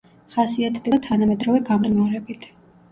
ხასიათდება თანამედროვე გამყინვარებით.